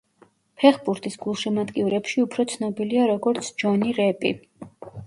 ფეხბურთის გულშემატკივრებში უფრო ცნობილია როგორც ჯონი რეპი.